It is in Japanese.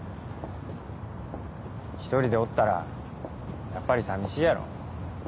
１人でおったらやっぱり寂しいやろ。